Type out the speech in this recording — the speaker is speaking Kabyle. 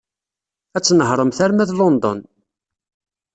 Ad tnehṛemt arma d London.